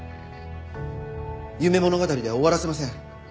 夢物語では終わらせません